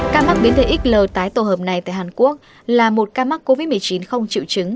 các mắc biến thể xl tái tổ hợp này tại hàn quốc là một các mắc covid một mươi chín không chịu chứng